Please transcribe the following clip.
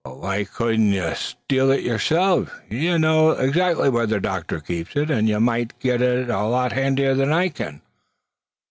"But why cudn't ye stale it yerself? Yez know exactly where the doctor keeps it, an' ye might get at it a hape handier than I can."